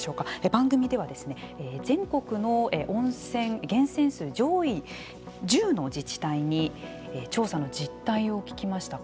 番組では全国の源泉数上位１０の自治体に調査の実態を聞きました。